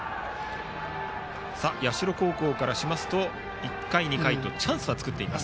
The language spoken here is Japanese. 社高校からしますと１回、２回とチャンスを作っています。